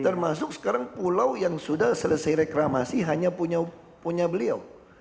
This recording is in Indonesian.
termasuk sekarang pulau yang sudah selesai reklamasi hanya punya beliau